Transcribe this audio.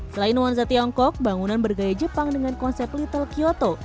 selain nuansa tiongkok bangunan bergaya jepang dengan konsep little kyoto